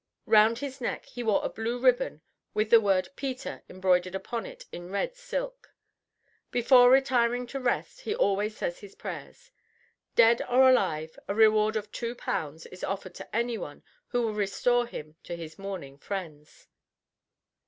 Round his neck he wore a blue ribbon with the word PETER embroidered upon it in red silk. Before retiring to rest he always says his prayers. Dead or alive, a reward of Two Pounds is offered to any one who will restore him to his mourning friends."